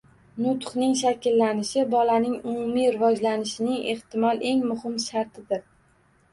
Nutqning shakllanishi bolaning umumiy rivojlanishining ehtimol eng muhim shartidir.